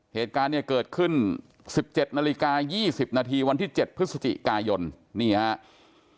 เหตุการณ์เนี่ยเกิดขึ้น๑๗นาฬิกา๒๐นาทีวันที่๗พฤศจิกายนนี่ครับ